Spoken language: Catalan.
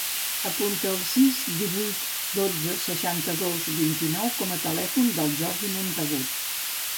Apunta el sis, divuit, dotze, seixanta-dos, vint-i-nou com a telèfon del Jordi Montagud.